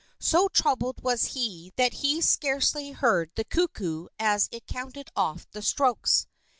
So troubled was he that he scarcely heard the cuckoo as it counted off the strokes.